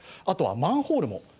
あとはマンホールも。